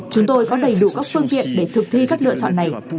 chúng tôi có đầy đủ các phương tiện để thực thi các lựa chọn này